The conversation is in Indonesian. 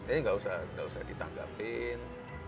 ini nggak usah ditanggapin